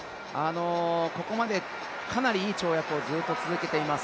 ここまでかなりいい跳躍をずっと続けています。